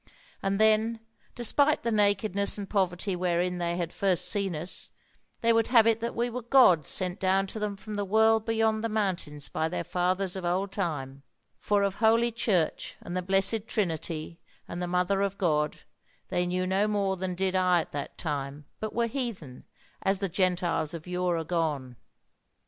And then, despite the nakedness and poverty wherein they had first seen us, they would have it that we were gods sent down to them from the world beyond the mountains by their fathers of old time; for of Holy Church, and the Blessed Trinity, and the Mother of God they knew no more than did I at that time, but were heathen, as the Gentiles of yore agone.